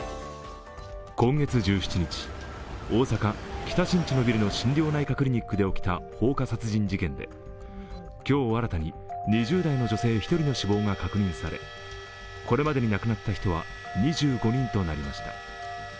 今月１７日、大阪・北新地のビルの心療内科クリニックで起きた放火殺人事件で、今日、新たに２０代の女性１人の死亡が確認され、これまでに亡くなった人は２５人となりました。